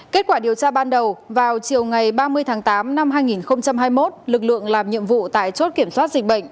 kết quả điều tra ban đầu vào chiều ngày ba mươi tháng tám năm hai nghìn hai mươi một lực lượng làm nhiệm vụ tại chốt kiểm soát dịch bệnh